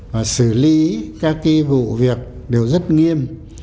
và xử lý các cái vụ việc đều rất nghiêm